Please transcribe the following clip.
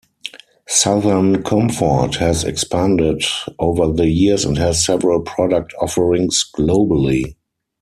Southern Comfort has expanded over the years and has several product offerings globally.